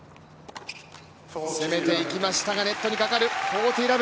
攻めていきましたがネットにかかる。